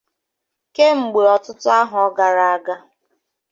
kemgbe ọtụtụ ahọ gara aga.